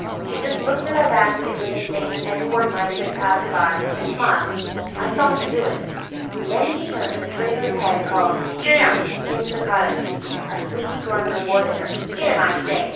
She just looked at our basket lid of things any one might have been proud to buy, and smiled. I saw her do it. Then she turned her traitorous head and called "Jim!" into the cottage. A sleepy grunt rewarded her. "Jim, I say!"